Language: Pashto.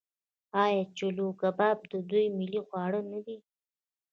آیا چلو کباب د دوی ملي خواړه نه دي؟